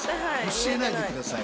教えないで下さい。